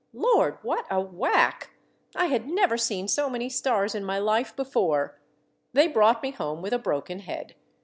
Lord ! what a whack ! I had never seen so many stars in my Hfe before. They brought me home with a broken head.